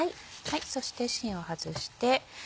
そして芯を外して。